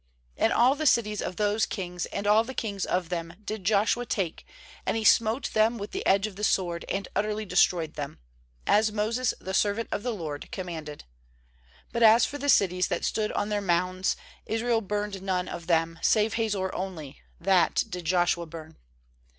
^And all the cities of those kings, and all the kings of them, did Joshua take, and he smote them with the edge of the sword, and utterly de stroyed them; as Moses the servant of the LORD commanded. 13But as for the cities that stood on their mounds, Israel burned none of them, save Hazor only — that did Joshua burn.